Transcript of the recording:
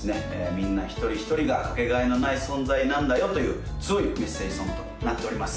みんな一人一人がかけがえのない存在なんだよという強いメッセージソングとなっております